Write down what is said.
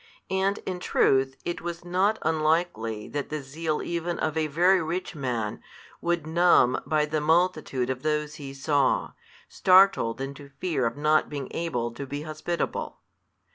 And in truth it was not unlikely that the zeal even of a very rich man would numb, by the multitude of those he saw startled into fear of not being able to be hospitable.